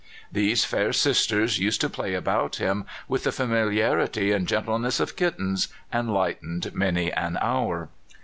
These fair sisters used to play about him with the familiarity and gentleness of kittens, and lightened many an hour.